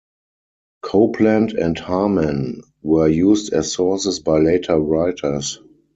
Copland and Harman were used as sources by later writers.